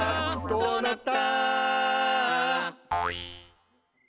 「どうなった？」